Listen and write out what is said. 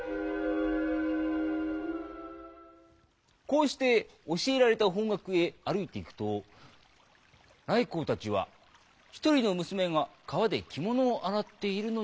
こうして教えられた方角へ歩いていくと頼光たちは一人の娘が川で着物を洗っているのに出会いました。